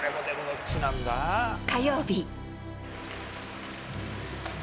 火曜日。